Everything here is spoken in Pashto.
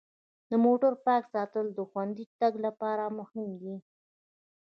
د موټر پاک ساتل د خوندي تګ لپاره مهم دي.